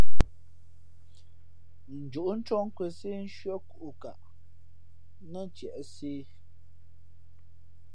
Njǒʼ cóh nkwēn sê nshʉ́ά kūʼkaʼ nά ntiē sē.